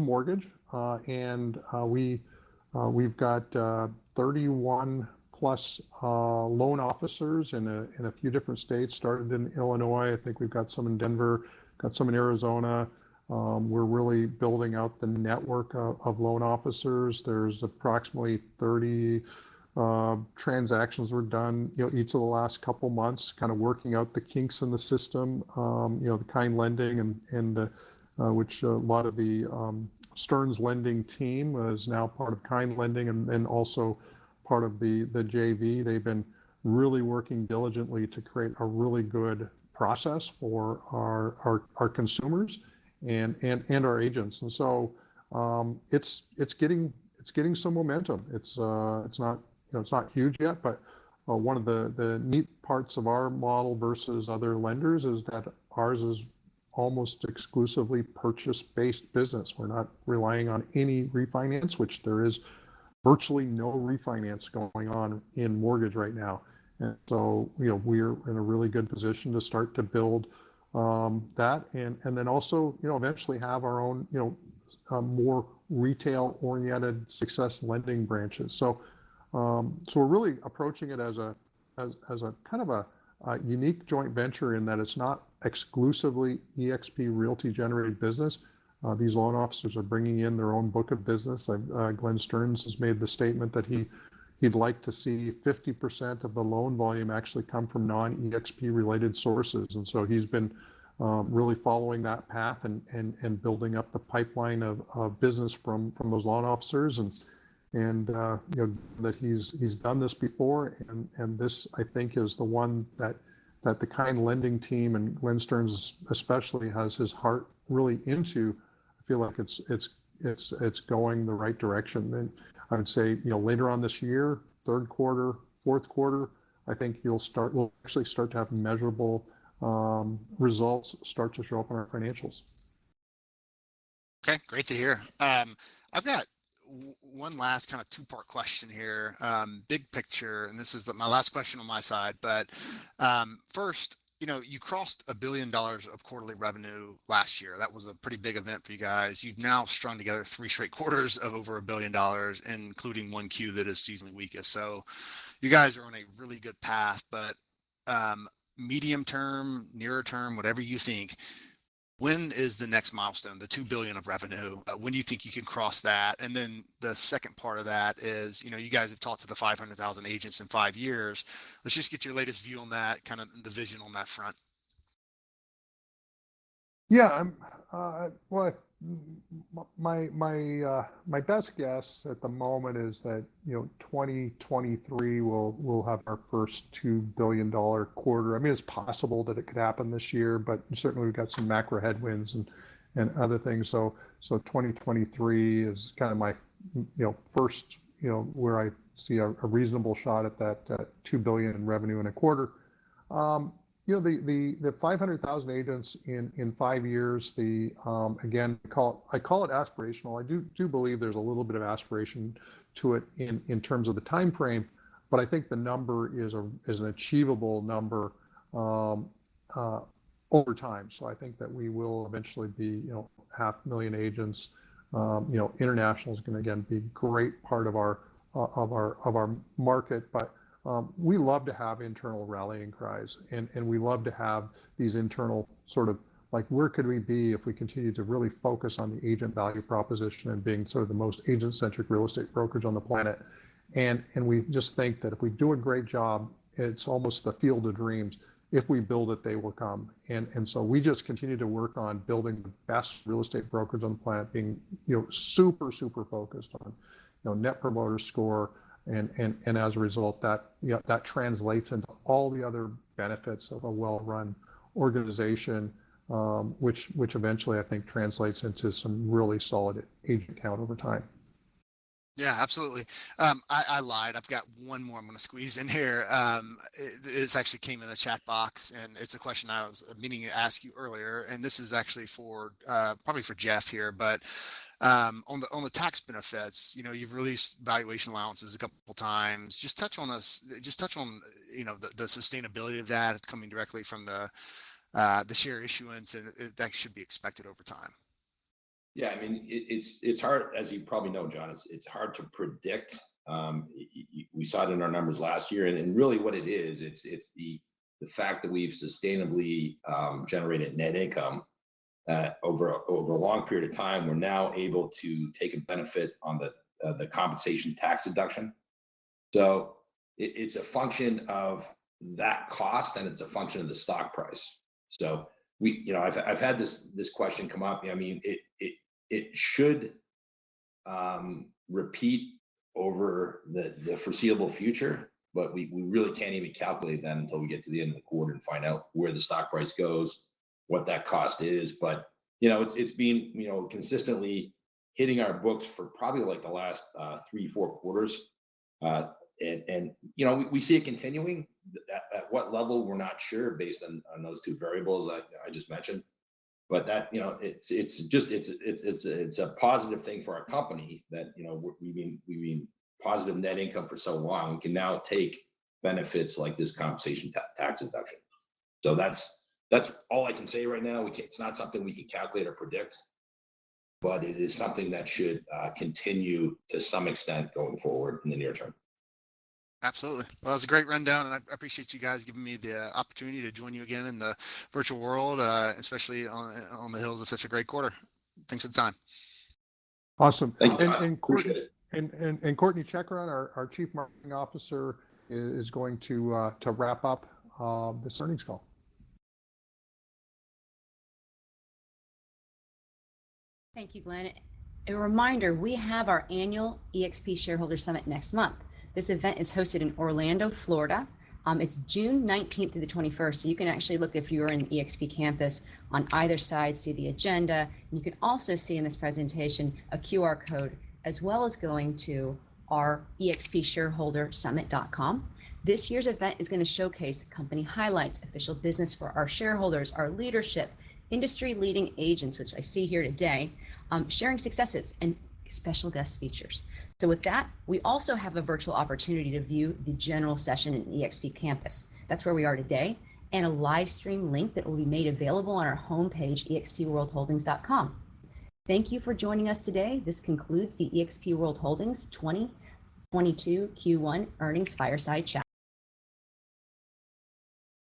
mortgage. We've got 31+ loan officers in a few different states. Started in Illinois. I think we've got some in Denver, got some in Arizona. We're really building out the network of loan officers. There were approximately 30 transactions done, you know, each of the last couple months, kind of working out the kinks in the system. You know, the Kind Lending, which a lot of the Stearns Lending team is now part of Kind Lending and also part of the JV. They've been really working diligently to create a really good process for our consumers and our agents. It's getting some momentum. You know, it's not huge yet, but one of the neat parts of our model versus other lenders is that ours is almost exclusively purchase-based business. We're not relying on any refinance, which there is virtually no refinance going on in mortgage right now. You know, we're in a really good position to start to build that and then also, you know, eventually have our own, you know, more retail-oriented SUCCESS Lending branches. We're really approaching it as a kind of a unique joint venture in that it's not exclusively eXp Realty-generated business. These loan officers are bringing in their own book of business. Glenn Stearns has made the statement that he'd like to see 50% of the loan volume actually come from non-eXp related sources. He's been really following that path and building up the pipeline of business from those loan officers and, you know, that he's done this before and this, I think, is the one that the Kind Lending team, and Glenn Stearns especially, has his heart really into. I feel like it's going in the right direction. I would say, you know, later on this year, third quarter, fourth quarter, I think we'll actually start to have measurable results start to show up on our financials. Okay. Great to hear. I've got one last kinda two-part question here. Big picture, and this is my last question on my side. First, you know, you crossed $1 billion of quarterly revenue last year. That was a pretty big event for you guys. You've now strung together three straight quarters of over $1 billion, including one Q that is seasonally weaker. You guys are on a really good path, but medium term, nearer term, whatever you think, when is the next milestone, the $2 billion of revenue? When do you think you can cross that? And then the second part of that is, you know, you guys have talked to the 500,000 agents in five years, let's just get your latest view on that, kinda the vision on that front. Yeah. I'm my best guess at the moment is that, you know, 2023 we'll have our first $2 billion quarter. I mean, it's possible that it could happen this year, but certainly we've got some macro headwinds and other things. 2023 is kinda my first, you know, where I see a reasonable shot at that $2 billion in revenue in a quarter. You know, the 500,000 agents in five years. Again, I call it aspirational. I do believe there's a little bit of aspiration to it in terms of the timeframe, but I think the number is an achievable number over time. I think that we will eventually be, you know, 500,000 agents. You know, international is gonna, again, be great part of our market. We love to have internal rallying cries, and we love to have these internal sort of, like, where could we be if we continue to really focus on the agent value proposition and being sort of the most agent-centric real estate brokerage on the planet. We just think that if we do a great job, it's almost the Field of Dreams. If we build it, they will come. We just continue to work on building the best real estate brokerage on the planet, being, you know, super focused on, you know, Net Promoter Score and as a result that, you know, that translates into all the other benefits of a well-run organization, which eventually I think translates into some really solid agent count over time. Yeah, absolutely. I lied. I've got one more I'm gonna squeeze in here. It's actually come in the chat box, and it's a question I was meaning to ask you earlier. This is actually for, probably for Jeff here, but, on the tax benefits, you know, you've released valuation allowances a couple times. Just touch on those. Just touch on, you know, the sustainability of that. It's coming directly from the share issuance and that should be expected over time. Yeah. I mean, it's hard, as you probably know, John, to predict. We saw it in our numbers last year, and really what it is, it's the fact that we've sustainably generated net income over a long period of time. We're now able to take a benefit on the compensation tax deduction. So it's a function of that cost, and it's a function of the stock price. You know, I've had this question come up. I mean, it should repeat over the foreseeable future, but we really can't even calculate that until we get to the end of the quarter and find out where the stock price goes, what that cost is. You know, it's been consistently hitting our books for probably like the last three, four quarters. You know, we see it continuing. At what level, we're not sure based on those two variables I just mentioned. You know, it's just a positive thing for our company that we've been positive net income for so long, we can now take benefits like this compensation tax deduction. That's all I can say right now. It's not something we can calculate or predict, but it is something that should continue to some extent going forward in the near term. Absolutely. Well, that was a great rundown, and I appreciate you guys giving me the opportunity to join you again in the virtual world, especially on the heels of such a great quarter. Thanks for the time. Awesome. Thank you, Tom. Appreciate it. Courtney Chakarun, our Chief Marketing Officer is going to wrap up this earnings call. Thank you, Glenn. A reminder, we have our annual eXp Shareholder Summit next month. This event is hosted in Orlando, Florida. It's June 19 through the 21st. You can actually look if you are in eXp Campus on either side, see the agenda. You can also see in this presentation a QR code as well as going to our expshareholdersummit.com. This year's event is gonna showcase company highlights, official business for our shareholders, our leadership, industry-leading agents, which I see here today, sharing successes and special guest features. With that, we also have a virtual opportunity to view the general session in eXp Campus. That's where we are today, and a live stream link that will be made available on our homepage, expworldholdings.com. Thank you for joining us today. This concludes the eXp World Holdings 2022 Q1 Earnings Fireside Chat.